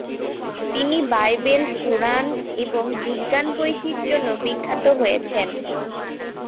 তিনি বাইবেল, কুরআন এবং বিজ্ঞান বইটির জন্য বিখ্যাত হয়েছেন।